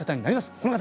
この方。